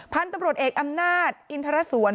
พันธุ์ตำรวจเอกอำนาจอินทรสวน